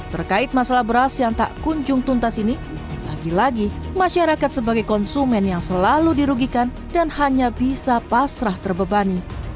terkait masalah beras yang tak kunjung tuntas ini lagi lagi masyarakat sebagai konsumen yang selalu dirugikan dan hanya bisa pasrah terbebani